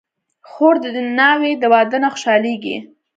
خور د ناوې د واده نه خوشحالېږي.